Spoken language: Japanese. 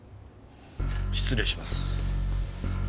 失礼します。